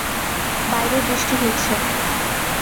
বাইরে বৃষ্টি হচ্ছে।